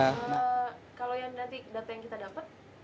kalau yang nanti data yang kita dapat